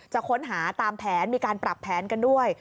ค้นหาตามแผนมีการปรับแผนกันด้วย